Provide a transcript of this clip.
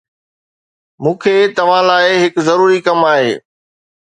مون کي توهان لاءِ هڪ ضروري ڪم آهي